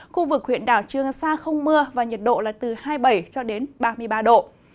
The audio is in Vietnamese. khu vực huyện đảo trương sa không mưa và nhiệt độ là từ hai mươi bảy cho đến ba mươi ba độ